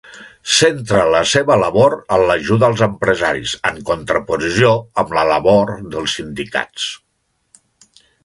Centra la seva labor en l'ajuda als empresaris en contraposició amb la labor dels sindicats.